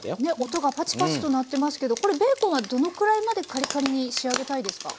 音がパチパチと鳴ってますけどこれベーコンはどのくらいまでカリカリに仕上げたいですか？